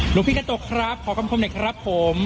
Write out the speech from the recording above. หลวงพี่กระตุกครับขอคำคมหน่อยครับผม